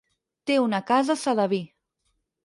Té una casa a Sedaví.